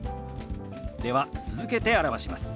では続けて表します。